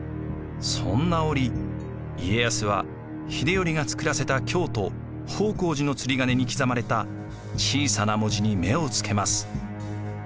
そんな折家康は秀頼が作らせた京都方広寺の釣り鐘に刻まれた小さな文字に目をつけます。